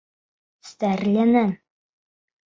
Стәрленән.